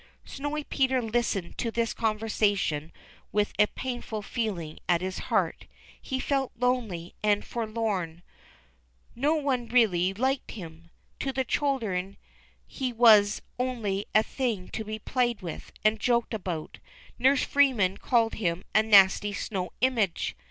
Snowy Peter listened to this conversation with a painful feeling at his heart. He felt lonely and for SNOWY PETER. 341 lorn. No one really like him. To the children ne was only a thing to be played with and joked about. Nurse Freeman called him a "nasty snow image."